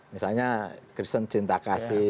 misalnya kristen cinta kasih